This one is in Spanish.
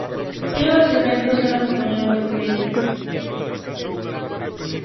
Esos eventos son acompañados de ferias.